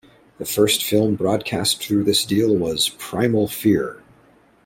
The first film broadcast through this deal was "Primal Fear".